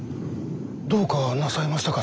どうかなさいましたか？